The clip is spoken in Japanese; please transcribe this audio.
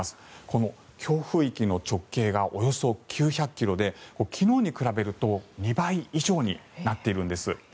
この強風域の直径がおよそ９００ｋｍで昨日に比べると２倍以上になっているんです。